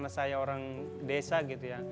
karena saya orang desa gitu ya